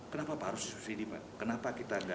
kenapa pak harus disubsidi pak